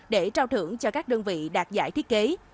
để trao thưởng cho các đơn vị đạt giải thiết kế